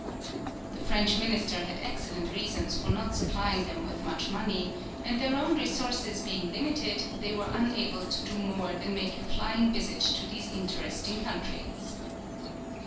The French minister had excellent reasons for not supplying them with much money, and their own resources being limited, they were unable to do more than make a flying visit to these interesting countries.